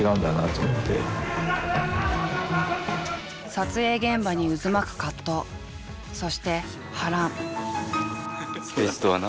撮影現場に渦巻く葛藤そして波乱。